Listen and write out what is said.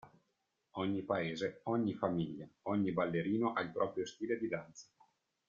Ogni paese, ogni famiglia, ogni ballerino ha il proprio stile di danza.